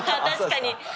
確かに。